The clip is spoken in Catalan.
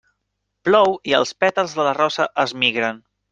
Plou i els pètals de la rosa es migren.